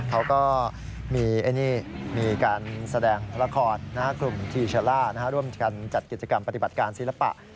เขาก็มีการแสดงลาคอร์ดร่วมจากการจัดกิจกรรมปฏิบัติการศิลปะ